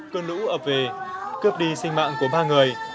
cơn lũ ập về cướp đi sinh mạng của ba người